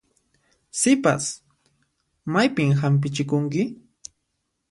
Sipas, maypin hampichikunki?